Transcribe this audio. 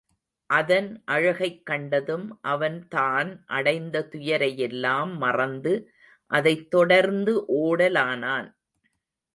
அதன் அழகைக் கண்டதும், அவன் தான் அடைந்த துயரையெல்லாம் மறந்து, அதைத் தொடர்ந்து ஓடலானான்.